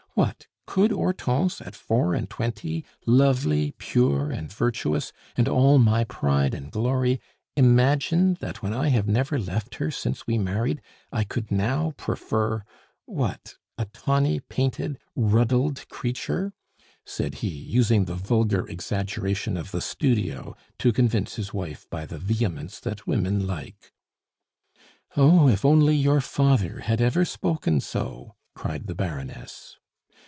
"What! could Hortense, at four and twenty, lovely, pure, and virtuous, and all my pride and glory, imagine that, when I have never left her since we married, I could now prefer what? a tawny, painted, ruddled creature?" said he, using the vulgar exaggeration of the studio to convince his wife by the vehemence that women like. "Oh! if only your father had ever spoken so !" cried the Baroness.